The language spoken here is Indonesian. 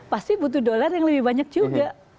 pasti butuh dolar yang lebih banyak juga